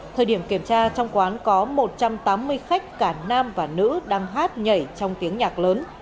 thời điểm kiểm tra trong quán có một trăm tám mươi khách cả nam và nữ đang hát nhảy trong tiếng nhạc lớn